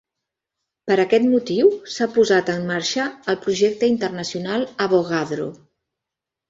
Per aquest motiu s'ha posat en marxa el Projecte Internacional Avogadro.